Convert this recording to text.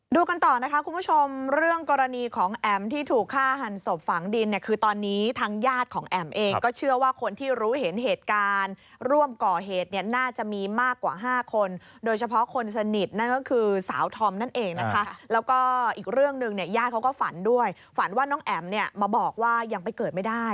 กันต่อนะคะคุณผู้ชมเรื่องกรณีของแอ๋มที่ถูกฆ่าหันศพฝังดินเนี่ยคือตอนนี้ทางญาติของแอ๋มเองก็เชื่อว่าคนที่รู้เห็นเหตุการณ์ร่วมก่อเหตุเนี่ยน่าจะมีมากกว่า๕คนโดยเฉพาะคนสนิทนั่นก็คือสาวธอมนั่นเองนะคะแล้วก็อีกเรื่องหนึ่งเนี่ยญาติเขาก็ฝันด้วยฝันว่าน้องแอ๋มเนี่ยมาบอกว่ายังไปเกิดไม่ได้